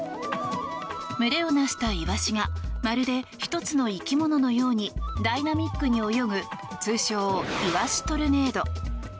群れをなしたイワシがまるで１つの生き物のようにダイナミックに泳ぐ通称イワシトルネード。